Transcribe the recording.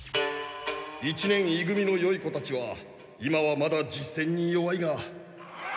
一年い組のよい子たちは今はまだ実戦に弱いが。